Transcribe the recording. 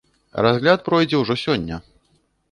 Разгляд пройдзе ўжо сёння.